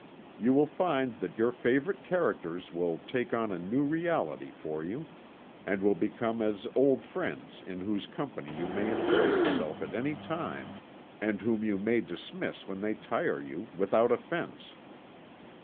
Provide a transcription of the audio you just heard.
You will find that your favorite characters will take on a new reality for you, and will become as old friends in whose company you may enjoy yourself at any time, and whom you may dismiss when they tire you, without offense.